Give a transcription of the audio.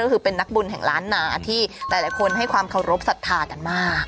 ก็คือเป็นนักบุญแห่งล้านนาที่หลายคนให้ความเคารพสัทธากันมาก